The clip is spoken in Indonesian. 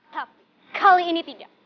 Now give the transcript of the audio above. tapi kali ini tidak